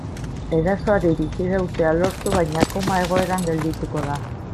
Erasoari bizirautea lortu baina koma egoeran geldituko da.